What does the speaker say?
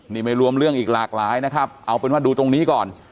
นี่ไม่รวมเรื่องอีกหลากหลายนะครับเอาเป็นว่าดูตรงนี้ก่อน